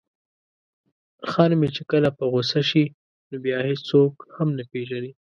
خر مې چې کله په غوسه شي نو بیا هیڅوک هم نه پيژني.